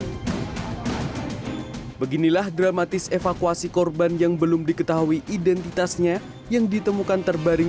hai beginilah dramatis evakuasi korban yang belum diketahui identitasnya yang ditemukan terbaring